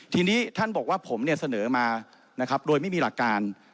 ทีนี้ท่านบอกว่าผมเนี่ยเสนอมานะครับโดยไม่มีหลักการ